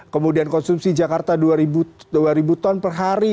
kemudian konsumsi jakarta dua ribu ton per hari